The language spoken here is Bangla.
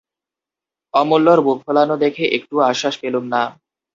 অমূল্যর বুক-ফোলানো দেখে একটুও আশ্বাস পেলুম না।